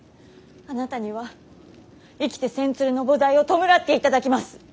あなたには生きて千鶴の菩提を弔っていただきます。